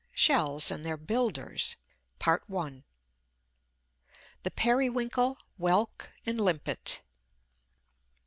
SHELLS AND THEIR BUILDERS (1). THE PERIWINKLE, WHELK AND LIMPET.